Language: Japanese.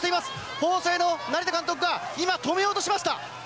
法政の成田監督が今、止めようとしました。